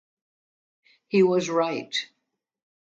He was right.